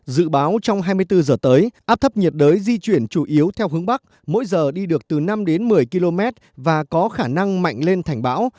dự báo trong hai mươi bốn giờ tới áp thấp nhiệt đới di chuyển chủ yếu theo hướng bắc mỗi giờ đi được từ năm đến một mươi km và có khả năng mạnh lên thành bão